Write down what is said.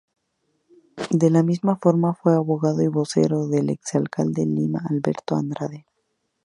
De la misma forma, fue abogado y vocero del ex alcalde Lima, Alberto Andrade.